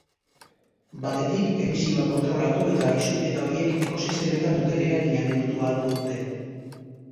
Batetik, emisioak kontrolatu eta isurketa horiek ekosistemetan duten eragina neurtu ahalko dute.